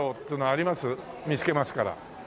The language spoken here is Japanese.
見つけますから。